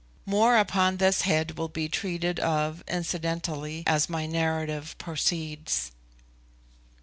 More upon this head will be treated of incidentally as my narrative proceeds.